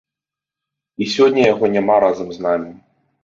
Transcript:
І сёння яго няма разам з намі.